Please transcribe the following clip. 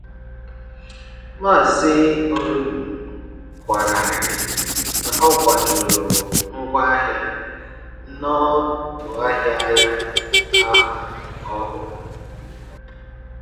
Maazị Orim kwàrà arịrị na ọ kwàjuru ngwaahịa n'ọdụ ahịa ya ahụ ọhụrụ